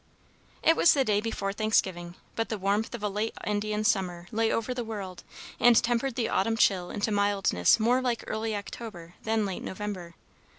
It was the day before Thanksgiving, but the warmth of a late Indian summer lay over the world, and tempered the autumn chill into mildness more like early October than late November.